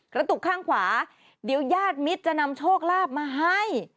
กระตุกข้างขวาเดี๋ยวญาติมิตรจะนำโชคลาภมาให้